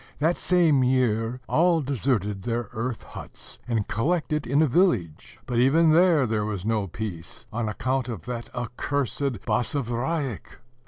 That same year, all deserted their earth huts, and collected in a village; but, even there, there was no peace, on account of that accursed Basavriuk.